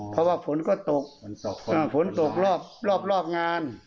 เพราะว่าฝนก็ตกฝนตกรอบงาน